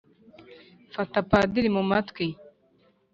fata padiri mu matwi,